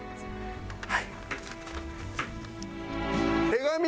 はい。